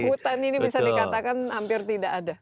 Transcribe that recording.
hutan ini bisa dikatakan hampir tidak ada